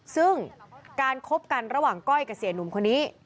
ซึ่งการคบกันระหว่างก้อยกับเสียหนุ่มคนนี้